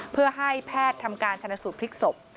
เพื่อให้แพทย์ทำการชนะสูตรพลิกศพ